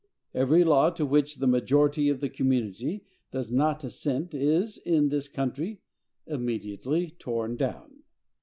Every law to which the majority of the community does not assent is, in this country, immediately torn down.